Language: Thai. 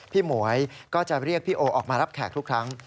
หมวยก็จะเรียกพี่โอออกมารับแขกทุกครั้ง